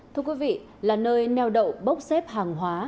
thưa quý vị là nơi neo đậu bốc xếp hàng hóa